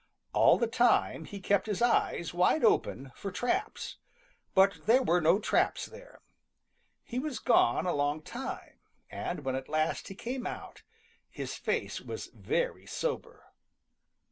All the time he kept his eyes wide open for traps. But there were no traps there. He was gone a long time, and when at last he came out, his face was very sober.